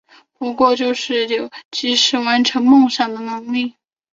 不过就是有及时完成梦想的能力